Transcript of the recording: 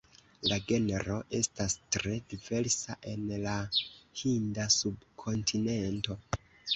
La genro estas tre diversa en la Hinda subkontinento.